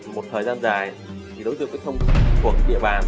một thời gian dài thì đối tượng cũng không thuộc địa bàn